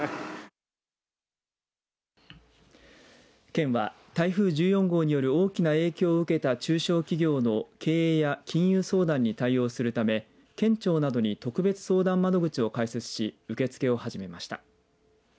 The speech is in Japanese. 県は台風１４号による大きな影響を受けた中小企業の経営や金融相談に対応するため県庁などに特別相談窓口を開設し受け付けを始めました。